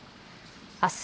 あす